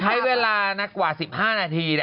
ใช้เวลานักกว่า๑๕นาที